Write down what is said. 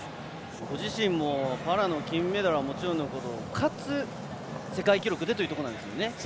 ご自身もパラの金メダルはもちろんのことかつ世界記録でというところなんですね。